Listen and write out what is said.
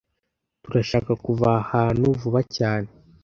Turashaka kuva aha hantu vuba cyane